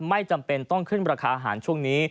ไม่จำเป็นต้องขึ้นราคาอาหารช่วงนี้